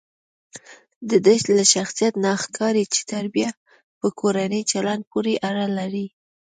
دده له شخصیت نه ښکاري چې تربیه په کورني چلند پورې اړه لري.